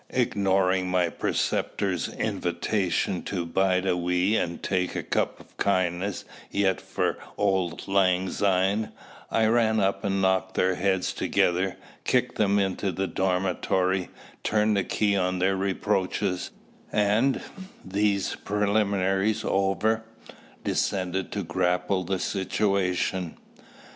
Ignoring my preceptor's invitation to bide a wee and take a cup of kindness yet for auld lang syne, I ran up and knocked their heads together, kicked them into the dormitory, turned the key on their reproaches, and these preliminaries over descended to grapple with the situation.